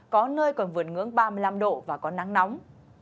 có nơi còn vượt ngưỡng ba mươi năm độ và có nắng nóng